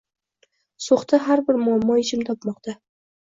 So‘xda har bir muammo yechim topmoqda